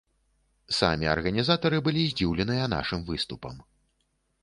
Самі арганізатары былі здзіўленыя нашым выступам.